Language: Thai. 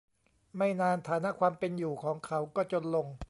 ไม่นานฐานะความเป็นอยู่ของเขาก็จนลง